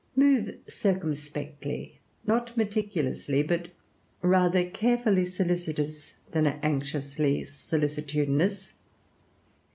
Move circumspectly, not meticulously, and rather carefully solicitous than anxiously solicitudinous.